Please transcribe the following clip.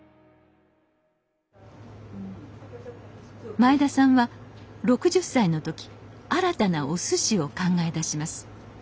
前田さんは６０歳の時新たなおすしを考え出します。